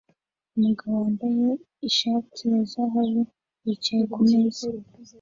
Umugabo wambaye ishati ya zahabu yicaye ku meza